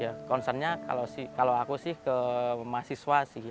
ya concernnya kalau aku sih ke mahasiswa sih